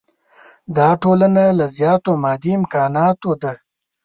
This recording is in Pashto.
دا ټولنه له زیاتو مادي امکاناتو ده.